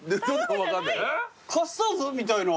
カスタードみたいな。